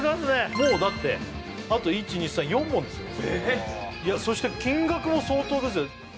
もうだってあと１２３４問ですよそして金額も相当ですよ